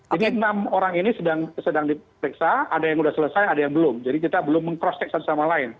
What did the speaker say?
jadi enam orang ini sedang diperiksa ada yang sudah selesai ada yang belum jadi kita belum meng cross check satu sama lain